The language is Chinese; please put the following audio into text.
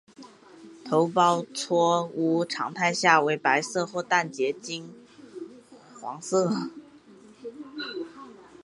头孢唑肟常态下为白色或淡黄色结晶。